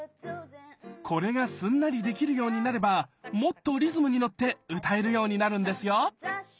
これがすんなりできるようになればもっとリズムに乗って歌えるようになるんですよ